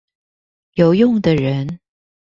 有用的人